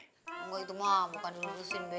enggak itu ma bukan di lurusin be